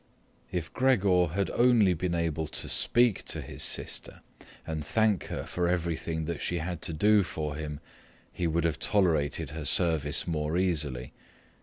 If Gregor had only been able to speak to his sister and thank her for everything that she had to do for him, he would have tolerated her service more easily.